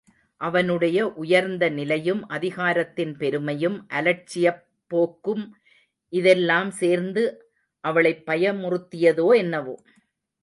அவனுடைய உயர்ந்த நிலையும், அதிகாரத்தின் பெருமையும், அலட்சியப் போக்கும் இதெல்லாம் சேர்ந்து அவளைப் பயமுறுத்தியதோ என்னவோ?